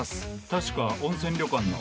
確か温泉旅館の？